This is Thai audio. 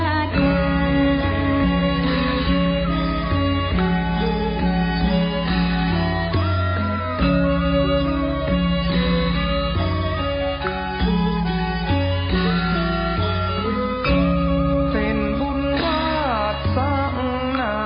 หนึ่งนานวันกองขอหักจันทร์รับมือต่อ